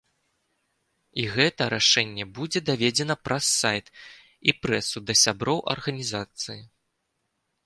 І гэта рашэнне будзе даведзена праз сайт і прэсу да сяброў арганізацыі.